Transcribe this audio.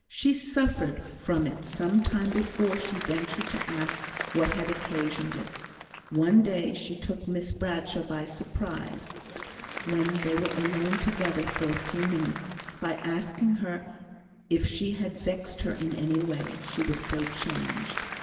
She suffered from it some time before she ventured to ask what had occasioned it. But, one day, she took Miss Bradshaw by surprise, when they were alone together for a few minutes, by asking her if she had vexed her in any way, she was so changed?